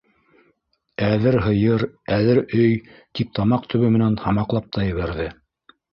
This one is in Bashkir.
Әҙер һыйыр, әҙер өй, - тип тамаҡ төбө менән һамаҡлап та ебәрҙе.